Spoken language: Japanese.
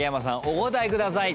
お答えください。